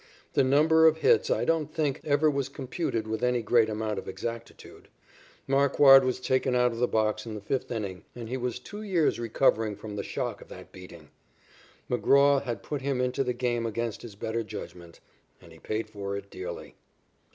The number of hits, I don't think, ever was computed with any great amount of exactitude. Marquard was taken out of the box in the fifth inning, and he was two years recovering from the shock of that beating. McGraw had put him into the game against his better judgment, and he paid for it dearly.